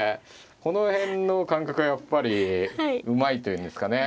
この辺の感覚はやっぱりうまいと言うんですかね。